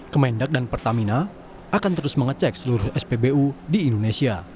kemendak dan pertamina akan terus mengecek seluruh spbu di indonesia